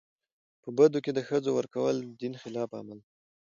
په بدو کي د ښځو ورکول د دین خلاف عمل دی.